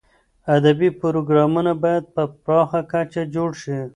ادبي پروګرامونه باید په پراخه کچه جوړ شي.